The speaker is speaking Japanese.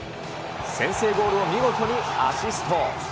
先制ゴールを見事にアシスト。